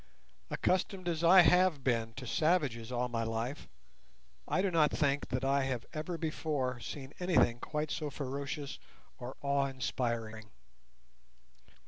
Accustomed as I have been to savages all my life, I do not think that I have ever before seen anything quite so ferocious or awe inspiring.